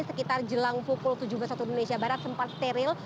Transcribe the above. sekitar jelang pukul tujuh belas waktu indonesia barat sempat steril